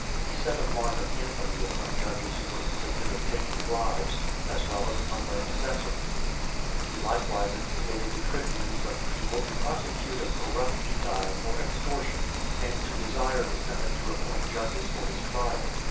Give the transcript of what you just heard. He set a mark of infamy upon judges who were convicted of taking bribes, as well as upon their assessors. He likewise instigated the tribunes of the people to prosecute a corrupt aedile for extortion, and to desire the senate to appoint judges for his trial.